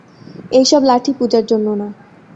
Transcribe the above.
এইসব লাঠি পূজার জন্য না।